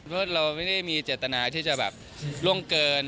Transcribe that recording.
เพราะเราไม่ได้มีเจตนาที่จะแบบล่วงเกิน